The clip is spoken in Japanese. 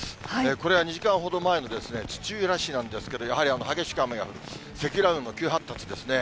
これは２時間ほど前の土浦市なんですけれども、やはり激しく雨が降っている、積乱雲も急発達ですね。